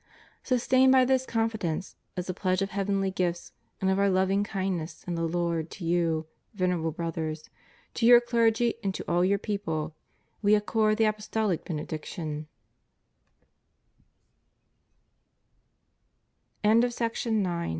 Sustained by this confidence, as a pledge of heavenly gifts, and of Our loving kindness in the Lord to you, Venerable Brothers, to your clergy and to all your people, We accord the A